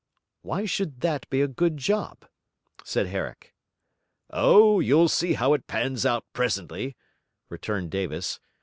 'Why should that be a good job?' said Herrick. 'Oh, you'll see how it pans out presently,' returned Davis.